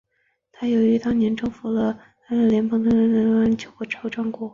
他于当年彻底征服了拉希德家族的杰拜勒舍迈尔酋长国。